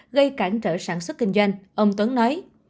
gây cản trở sản xuất kinh doanh ông tuấn nói